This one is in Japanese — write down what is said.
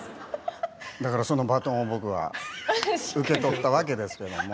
だからそのバトンを僕は受け取ったわけですけれども。